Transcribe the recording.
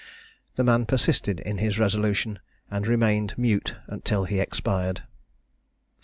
The man persisted in his resolution, and remained mute till he expired.